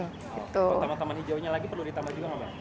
teman teman hijaunya lagi perlu ditambah juga nggak mbak